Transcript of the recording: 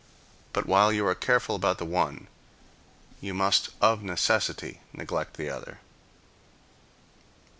But while you are careful about the one, you must of necessity neglect the other.